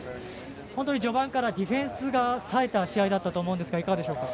本当に序盤からディフェンスがさえた試合だったと思いますがいかがでしたか？